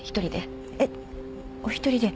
えっお一人で？